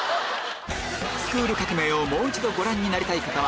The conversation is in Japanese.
『スクール革命！』をもう一度ご覧になりたい方は